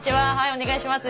お願いします。